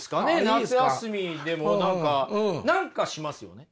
夏休みでも何か何かしますよね。